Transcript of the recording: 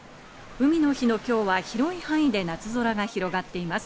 海の日の今日は広い範囲で夏空が広がっています。